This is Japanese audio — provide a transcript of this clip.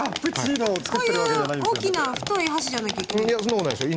こういう大きな太い箸じゃなきゃいけないんですか？